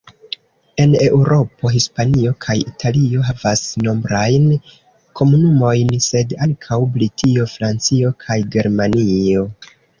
En Eŭropo, Hispanio kaj Italio havas nombrajn komunumojn sed ankaŭ Britio, Francio kaj Germanio.